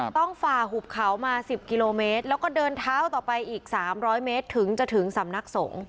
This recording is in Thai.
ฝ่าหุบเขามา๑๐กิโลเมตรแล้วก็เดินเท้าต่อไปอีก๓๐๐เมตรถึงจะถึงสำนักสงฆ์